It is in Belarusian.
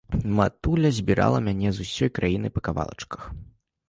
Матуля збірала мяне з усёй краіны па кавалачках.